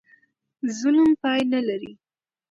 ظلم پای نه لري.